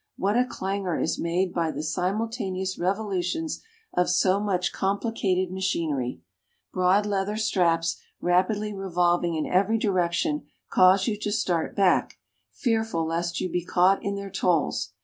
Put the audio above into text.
What a clangor is made by the simultaneous revolutions of so much complicated machinery! Broad leather straps, rapidly revolving in every direction, cause you to start back, fearful lest you be caught in their toils.